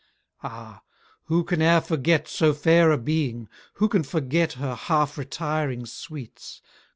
Ah! who can e'er forget so fair a being? Who can forget her half retiring sweets?